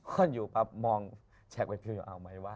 คนอยู่พับมองแจกไปนิดเดียวโอ้ไม่ว่าง